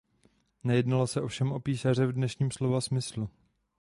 Nejednalo se ovšem o písaře v dnešním slova smyslu.